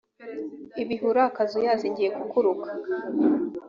ibh uri akazuyazi ngiye kukuruka